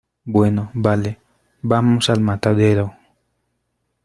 bueno, vale , vamos al matadero.